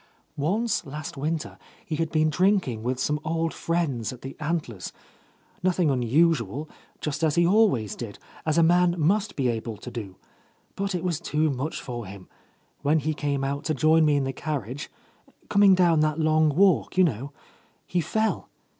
"Once last winter he had been drinking with , some old friends at the Antlers, — nothing unusual, just as he always did, as a man must be able to do, — but it was too much for him. When he came out to join me in the carriage, coming down that long walk, you know, he fell.